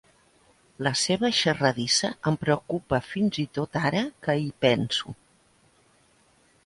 La seva xerradissa em preocupa fins i tot ara que hi penso.